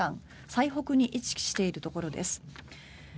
最北に位置しているところです。